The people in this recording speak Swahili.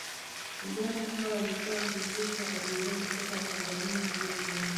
Vijana hao walikuwa wakivusha abiria kutoka bandarini hadi melini